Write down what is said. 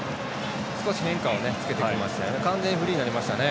少し変化つけてきましたね。